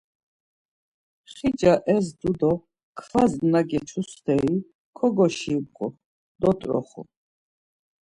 Xica ezdu do kvas na geçu steri kogoşibğu, dot̆roxu.